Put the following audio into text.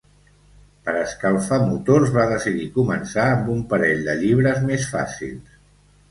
Per escalfar motors, va decidir començar amb un parell de llibres més fàcils.